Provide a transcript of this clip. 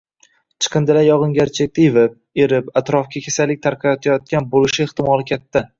Chiqindilar yogʻingarchilikda ivib, irib, atrofga kasallik tarqatayotgan boʻlishi ehtimoli katta.